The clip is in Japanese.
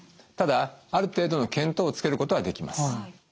ただある程度の見当をつけることはできます。